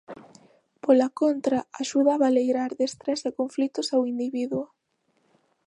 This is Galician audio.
Pola contra axuda a baleirar de estrés e conflitos ao individuo.